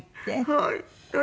はい。